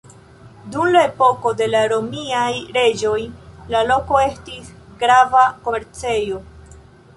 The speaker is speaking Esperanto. Dum la epoko de la romiaj reĝoj la loko estis grava komercejo.